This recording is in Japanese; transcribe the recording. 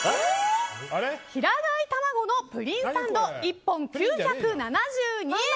平飼いたまごのプリンサンド１本、９７２円。